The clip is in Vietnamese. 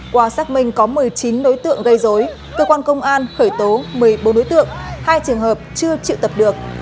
qua xác minh có một mươi chín đối tượng gây dối cơ quan công an khởi tố một mươi bốn đối tượng hai trường hợp chưa triệu tập được